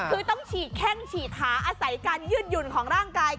คือต้องฉีดแข้งฉีดขาอาศัยการยืดหยุ่นของร่างกาย